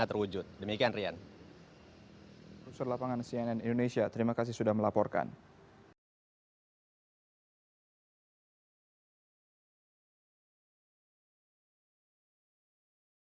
teruslah pemberitaan realitim se joannather obser jangan lupa suka like dan share colocosi di kolom komentar yaowned